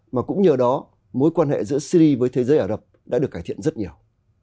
mà cũng nhờ đó mối quan hệ giữa syri với thế giới ả rập đã được cải thiện rất nhiều